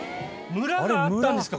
村があったんですか？